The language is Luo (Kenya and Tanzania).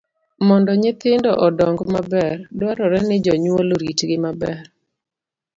Mondo nyithindo odong maber, dwarore ni jonyuol oritgi maber.